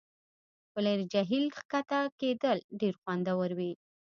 په لرې جهیل کښته کیدل ډیر خوندور وي